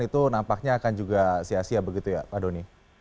itu nampaknya akan juga sia sia begitu ya pak doni